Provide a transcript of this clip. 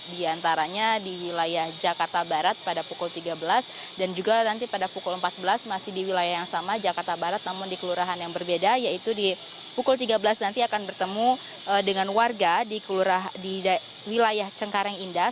di antaranya di wilayah jakarta barat pada pukul tiga belas dan juga nanti pada pukul empat belas masih di wilayah yang sama jakarta barat namun di kelurahan yang berbeda yaitu di pukul tiga belas nanti akan bertemu dengan warga di wilayah cengkareng indah